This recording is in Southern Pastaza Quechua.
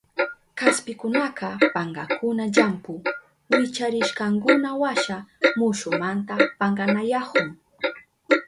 Kaspikunaka pankankuna llampu wicharishkankunawasha mushumanta pankayanahun.